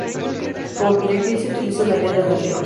Como proyectil se utiliza una piedra de río.